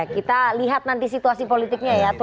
kita lihat nanti situasi politiknya ya